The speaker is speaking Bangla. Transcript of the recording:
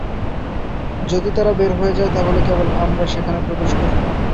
যদি তারা বের হয়ে যায় তাহলেই কেবল আমরা সেখানে প্রবেশ করব।